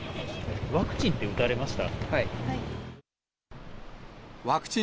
ワクチンって打たれました？